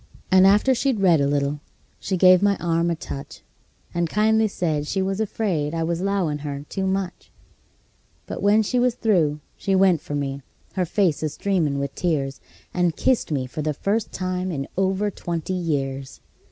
And after she'd read a little she give my arm a touch, And kindly said she was afraid I was 'lowin' her too much; But when she was through she went for me, her face a streamin' with tears, And kissed me for the first time in over twenty years!